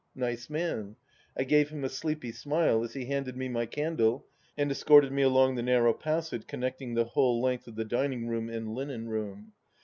Nice man 1 I gave him a sleepy smile as he handed me my candle and escorted me along the narrow passage con necting the whole length of the dining room and linen room.